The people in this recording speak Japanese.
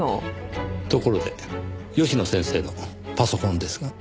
ところで吉野先生のパソコンですが。